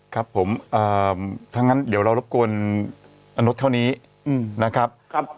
ครับผมถ้างั้นเดี๋ยวเรารบกวนอนดเท่านี้นะครับ